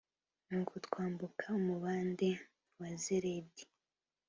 nuko twambuka umubande wa zeredi.